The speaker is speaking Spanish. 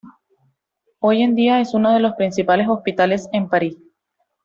Hoy en día es uno de los principales hospitales de París.